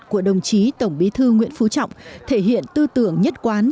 của đồng chí tổng bí thư nguyễn phú trọng thể hiện tư tưởng nhất quán